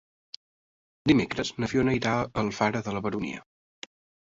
Dimecres na Fiona irà a Alfara de la Baronia.